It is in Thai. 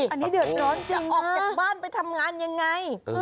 อันนี้เดินร้อนจริงนะโอ้โฮจะออกจากบ้านไปทำงานยังไง